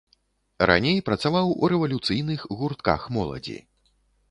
Раней працаваў у рэвалюцыйных гуртках моладзі.